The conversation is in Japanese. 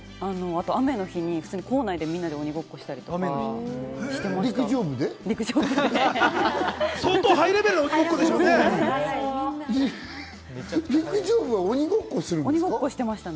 あと雨の日に校内でみんなで鬼ごっこしたりとかしてました。